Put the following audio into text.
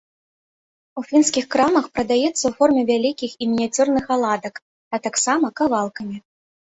У фінскіх крамах прадаецца ў форме вялікіх і мініяцюрных аладак, а таксама кавалкамі.